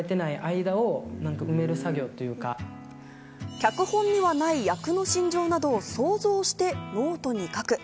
脚本にはない役の心情などを想像してノートに書く。